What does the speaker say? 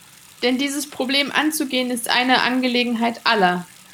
Denn dieses Problem anzugehen, ist eine Angelegenheit aller.